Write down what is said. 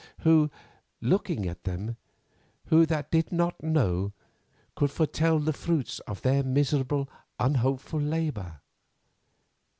Who, looking at them, who that did not know, could foretell the fruits of their miserable, unhopeful labour?